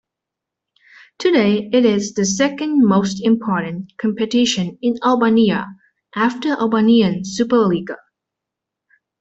Today it is the second most important competition in Albania after Albanian Superliga.